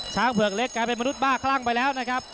เผือกเล็กกลายเป็นมนุษย์บ้าคลั่งไปแล้วนะครับ